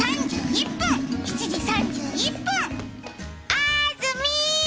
あずみー。